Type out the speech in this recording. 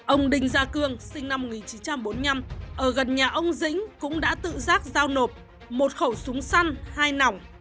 ông đình gia cương sinh năm một nghìn chín trăm bốn mươi năm ở gần nhà ông dĩnh cũng đã tự giác giao nộp một khẩu súng săn hai nỏng